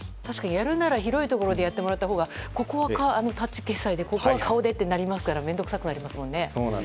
やるなら広いところでやってもらったほうがここはタッチ決済でここは顔でとなるから面倒くさくなりますものね。